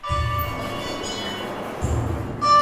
آیا په زاړه کور کي د دوستانو پالل نوې ميرمن ځوروي؟